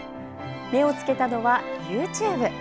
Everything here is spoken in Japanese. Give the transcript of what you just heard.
目をつけたのはＹｏｕＴｕｂｅ。